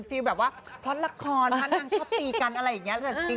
ฟิลแบบว่าเพราะละครพระนางชอบตีกันอะไรอย่างนี้